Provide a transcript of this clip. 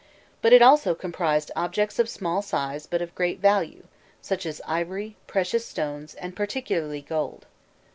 But it also comprised objects of small size but of great value, such as ivory, precious stones, and particularly gold.